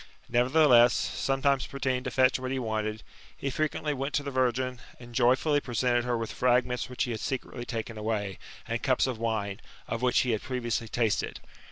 Nevertheless, sometimes pretending to fetch what he wanted, he frequently went to the virgin, and joyfully presented her with fragments which he had secretly taken away, and cups of wine, of which he had previously tasted.